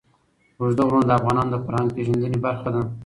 اوږده غرونه د افغانانو د فرهنګي پیژندنې برخه ده.